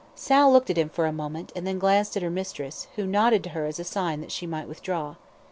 Sal looked at him for a moment, and then glanced at her mistress, who nodded to her as a sign that she might withdraw.